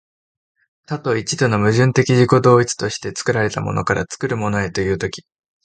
多と一との矛盾的自己同一として、作られたものから作るものへという時、